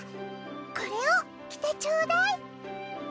これを着てちょうだい。